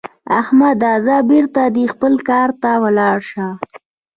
احمده؛ ځه بېرته دې خپل کار ته ولاړ شه.